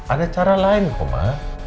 ada cara lain kok ma